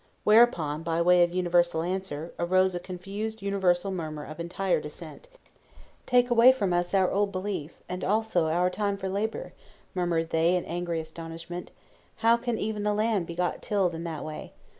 Whereupon, by way of universal answer, arose a confused universal murmur of entire dissent. "Take away from us our old belief, and also our time for labor!" murmured they in angry astonishment; "how can even the land be got tilled in that way?"